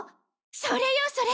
それよそれ！